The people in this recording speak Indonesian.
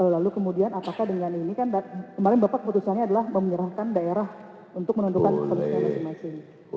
lalu kemudian apakah dengan ini kan kemarin bapak keputusannya adalah menyerahkan daerah untuk menentukan keputusan masing masing